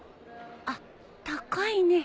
あっ高いね。